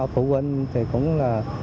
phụ huynh thì cũng là